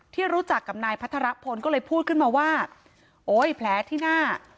ที่รู้จักกับนายพัทรพลก็เลยพูดขึ้นมาว่าโอ้ยแผลที่หน้า